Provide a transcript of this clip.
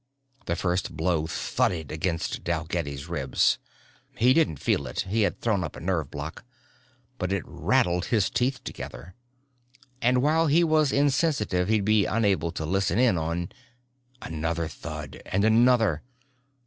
The first blow thudded against Dalgetty's ribs. He didn't feel it he had thrown up a nerve bloc but it rattled his teeth together. And while he was insensitive he'd be unable to listen in on.... Another thud, and another.